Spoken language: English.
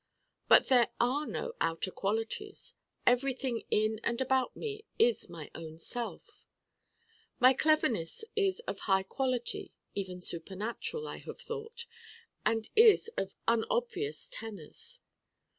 But there are no outer qualities. Everything in and about me is my own self. My Cleverness is of high quality even supernatural, I have thought and is of unobvious tenors.